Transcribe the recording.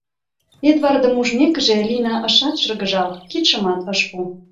Эдвардым ужмекыже, Лина ышат шыргыжал, кидшымат ыш пу.